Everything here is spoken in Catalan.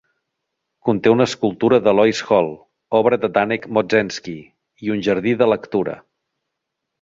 Conté una escultura de Lois Hole, obra de Danek Mozdzenski, i un jardí de lectura.